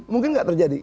mungkin enggak terjadi